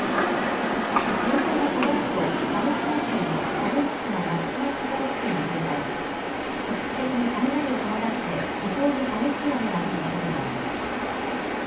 前線はこのあと鹿児島県の種子島・屋久島地方付近に停滞し局地的に雷を伴って非常に激しい雨が降るおそれがあります。